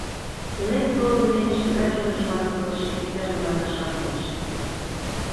Илен-толын Нелли шкежат чонжылан келшыше иктаж-могай пашам муэш.